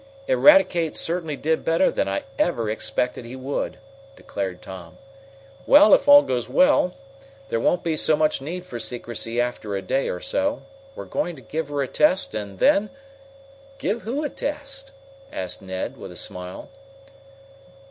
"Eradicate certainly did better than I ever expected he would," declared Tom. "Well, if all goes well, there won't be so much need for secrecy after a day or so. We're going to give her a test, and then " "Give who a test?" asked Ned, with a smile.